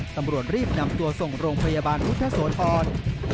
ตำรวจรีบนำตัวส่งโรงพยาบาลพุทธโสธร